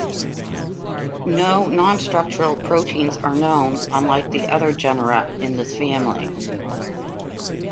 No nonstructural proteins are known unlike the other genera in this family.